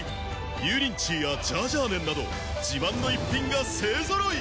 油淋鶏やジャージャー麺など自慢の逸品が勢揃い！